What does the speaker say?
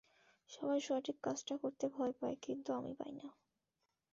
সবাই সঠিক কাজটা করতে ভয় পায়, কিন্তু আমি পাই না।